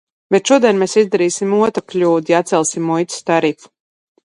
Bet šodien mēs izdarīsim otru kļūdu, ja atcelsim muitas tarifu.